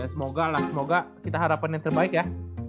ya semoga lah semoga kita harapin yang terbaik ya